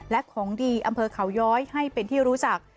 และของดีอำเภอเขาย้อยให้เป็นที่รู้จัก